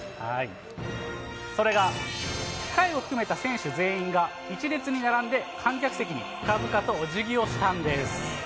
それが、控えを含めた選手全員が、一列に並んで観客席に深々とお辞儀をしたんです。